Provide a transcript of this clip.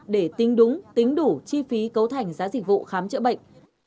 để tính đúng tính đủ chi phí cấu thành giá dịch vụ khám chữa bệnh